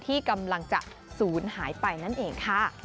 ที่กำลังจะศูนย์หายไปนั่นเองค่ะ